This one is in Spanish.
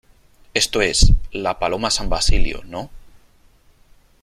esto es ... la Paloma San Basilio ,¿ no ?